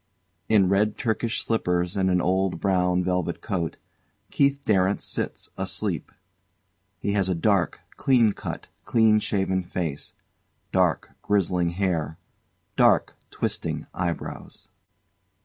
In red Turkish slippers and an old brown velvet coat, KEITH DARRANT sits asleep. He has a dark, clean cut, clean shaven face, dark grizzling hair, dark twisting eyebrows.